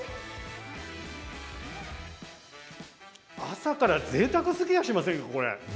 朝からぜいたくすぎやしませんか？